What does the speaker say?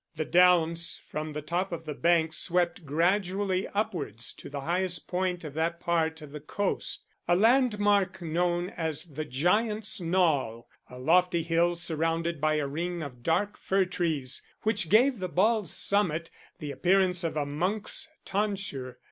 The downs from the top of the bank swept gradually upwards to the highest point of that part of the coast: a landmark known as the Giants' Knoll, a lofty hill surrounded by a ring of dark fir trees, which gave the bald summit the appearance of a monk's tonsure.